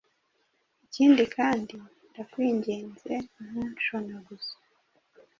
Ikindi kandi ndakwinginze ntunshunaguze